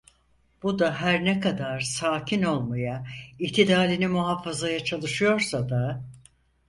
Bu da, her ne kadar sakin olmaya, itidalini muhafazaya çalışıyorsa da...